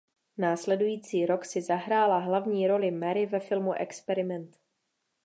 Následující rok si zahrála hlavní roli Mary ve filmu "Experiment".